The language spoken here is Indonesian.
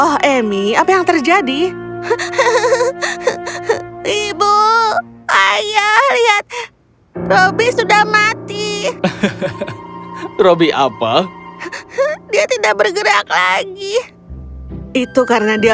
oh emi apa yang terjadi ibu ayah lihat roby sudah mati robi apa dia tidak bergerak lagi itu karena dia